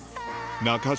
中条